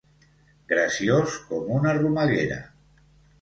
Graciós com una romeguera.